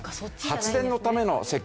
発電のための石炭。